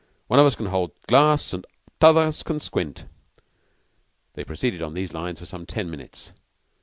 One of us can hold the glass and t'others can squint." They proceeded on these lines for some ten minutes.